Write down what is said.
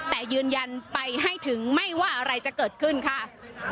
แต่ยืนยันไปให้ถึงไม่ว่าอะไรจะเกิดขึ้นค่ะ